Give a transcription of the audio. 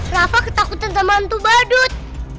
rafa ketakutan sama hantu badut